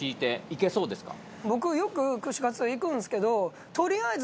僕よく串カツさん行くんですけど。